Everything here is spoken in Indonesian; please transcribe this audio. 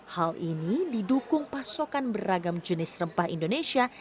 hal ini didukung pasokan beragam jenis rempah indonesia